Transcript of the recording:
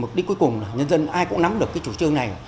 mục đích cuối cùng là nhân dân ai cũng nắm được cái chủ trương này